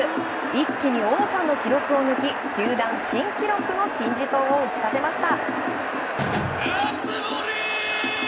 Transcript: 一気に王さんの記録を抜き球団新記録の金字塔を打ち立てました。